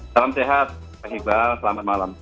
salam sehat pak iqbal selamat malam